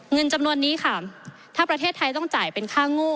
เงินจำนวนนี้ค่ะถ้าประเทศไทยต้องจ่ายเป็นค่าโง่